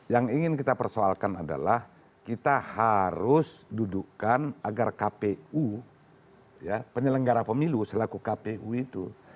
yang ingin kita persoalkan adalah kita harus dudukan agar kpu penyelenggara pemilu selaku kpu itu